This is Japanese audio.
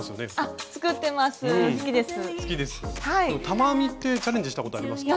玉編みってチャレンジしたことありますか？